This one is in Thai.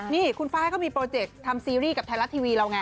นี่คุณฟ้าเขามีโปรเจกต์ทำซีรีส์กับไทยรัฐทีวีเราไง